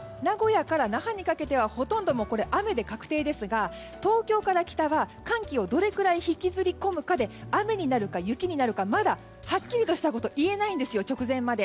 名古屋から那覇にかけてはほとんど雨で確定ですが東京から北は寒気をどれくらい引きずり込むかで雨になるか雪になるかまだはっきりとしたこと言えないんですよ、直前まで。